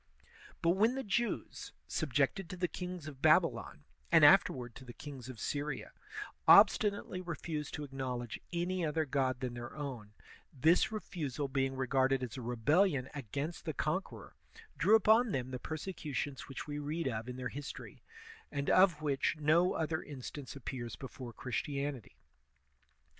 But when the Jews, subjected to the kings of Babylon, and afterward to the kings of Syria, obstinately refused to acknowledge any other god than their own, this re fusal being regarded as a rebellion against the conqueror, drew upon them the persecutions which we read of in their history, and of which no other instance appears before Christianity.